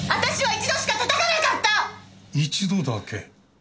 一度だけ？